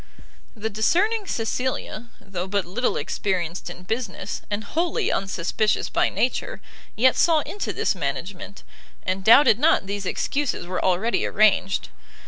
The discerning Cecilia, though but little experienced in business, and wholly unsuspicious by nature, yet saw into this management, and doubted not these excuses were already arranged.